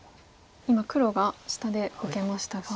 今黒が下で受けましたが。